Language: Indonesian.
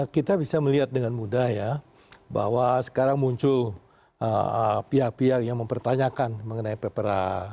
kita bisa melihat dengan mudah ya bahwa sekarang muncul pihak pihak yang mempertanyakan mengenai peperang